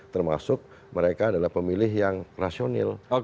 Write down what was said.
termasuk mereka adalah pemilih yang rasional